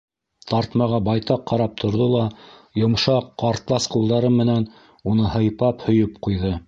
Тартмаға байтаҡ ҡарап торҙо ла йомшаҡ ҡартлас ҡулдары менән уны һыйпап, һөйөп ҡуйҙы.